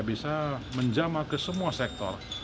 bisa menjama ke semua sektor